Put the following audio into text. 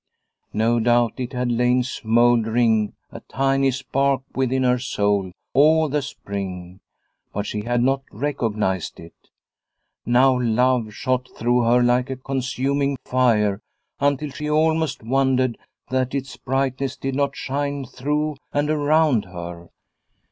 No doubt it had lain smouldering, a tiny spark within her soul, all the spring, but she had not recognised it. Now love shot through her like a consuming fire until she almost wondered that its brightness did not shine through and around her.